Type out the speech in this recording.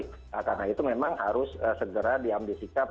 karena itu memang harus segera diambil sikap